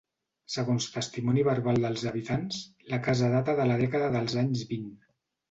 Segons testimoni verbal dels habitants, la casa data de la dècada dels anys vint.